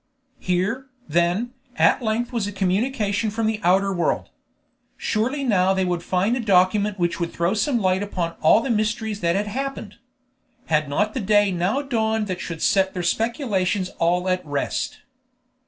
Here, then, at length was a communication from the outer world. Surely now they would find a document which would throw some light upon all the mysteries that had happened? Had not the day now dawned that should set their speculations all at rest?